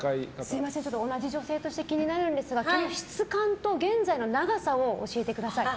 すみません、同じ女性として気になるんですが毛の質感と現在の長さを教えてください。